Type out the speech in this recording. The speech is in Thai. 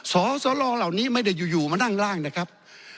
สสลเหล่านี้ไม่ได้อยู่มานั่งร่างนะครับ